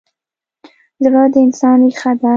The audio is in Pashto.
زړه د انسان ریښه ده.